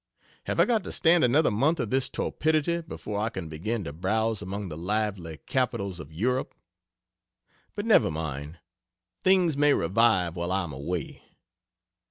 Have I got to stand another month of this torpidity before I can begin to browse among the lively capitals of Europe? But never mind things may revive while I am away.